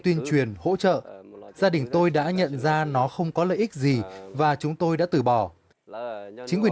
tuyên truyền hỗ trợ gia đình tôi đã nhận ra nó không có lợi ích gì và chúng tôi đã từ bỏ chính quyền